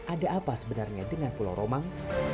ada apa sebenarnya dengan pulau romang